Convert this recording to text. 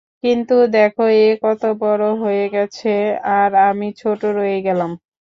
কিন্তু দেখো এ কত বড় হয়ে গেছে আর আমি ছোট রয়ে গেলাম।